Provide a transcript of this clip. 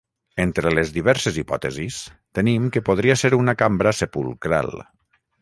Entre les diverses hipòtesis, tenim que podria ser una cambra sepulcral.